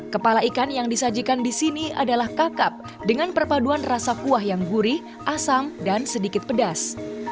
kepala ikan yang disajikan di sini adalah kakap dengan perpaduan rasa kuah yang gurih asam dan sedikit pedas